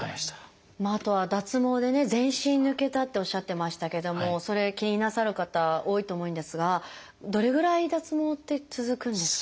あとは脱毛でね全身抜けたっておっしゃってましたけどもそれ気になさる方多いと思うんですがどれぐらい脱毛って続くんですか？